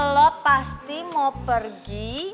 lo pasti mau pergi